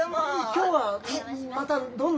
今日はまたどんな魚で？